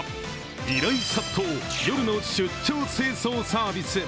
依頼殺到、夜の出張清掃サービス。